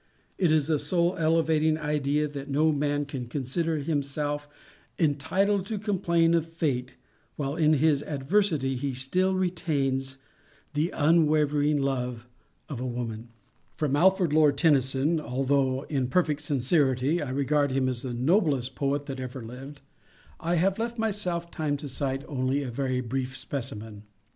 It is the soul elevating idea that no man can consider himself entitled to complain of Fate while in his adversity he still retains the unwavering love of woman. From Alfred Tennyson, although in perfect sincerity I regard him as the noblest poet that ever lived, I have left myself time to cite only a very brief specimen.